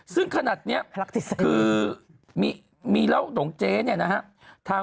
ซึ่งขนาดนี้คือมีเหล้าดงเจ๊เนี่ยนะฮะ